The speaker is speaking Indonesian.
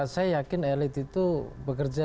saya yakin elit itu bekerja